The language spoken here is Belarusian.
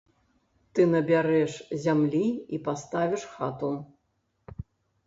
Ты набярэш зямлі і паставіш хату.